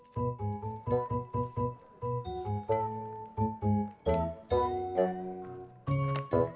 bunga ibu sudah teleponin kang tisna buat nganterin kamu